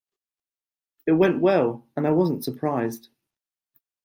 It went well, and I wasn't surprised.